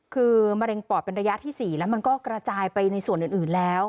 คือมะเร็งปอดเป็นระยะที่๔แล้วมันก็กระจายไปในส่วนอื่นแล้ว